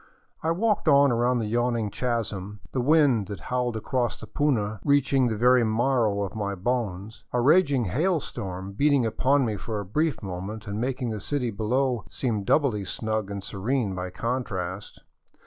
I walked on around the yawning chasm, the wind that howled across the puna reaching the very marrow of my bones, a raging hail storm beating upon me for a brief moment and making the city below seem doubly snug and serene by contrast.